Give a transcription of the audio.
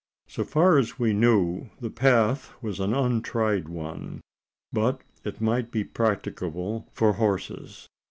So far as we knew, the path was an untried one; but it might be practicable for horses.